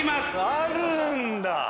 あるんだ。